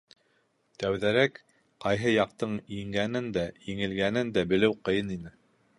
Тәүҙәрәк ҡайһы яҡтың еңгәнен дә, еңелгәнен дә белеү ҡыйын ине.